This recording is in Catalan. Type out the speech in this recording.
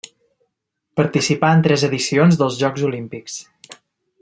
Participà en tres edicions dels Jocs Olímpics.